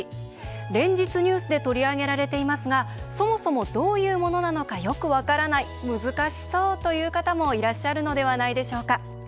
連日、ニュースで取り上げられていますがそもそも、どういうものなのかよく分からない、難しそうという方も、いらっしゃるのではないでしょうか。